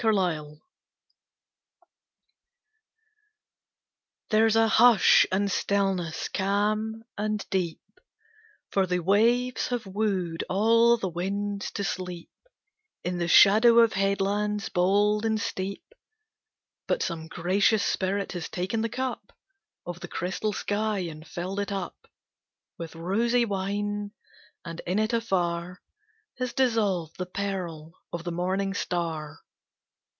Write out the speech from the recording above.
8 Autoplay There's a hush and stillness calm and deep, For the waves have wooed all the winds to sleep In the shadow of headlands bold and steep; But some gracious spirit has taken the cup Of the crystal sky and filled it up With rosy wine, and in it afar Has dissolved the pearl of the morning star.